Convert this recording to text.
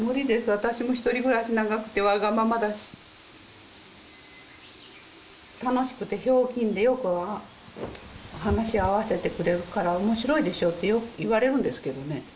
私もひとり暮らし長くてわがままだし楽しくてひょうきんでよく話合わせてくれるから面白いでしょって言われるんですけどね